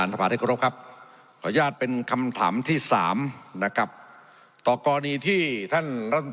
ซึ่ง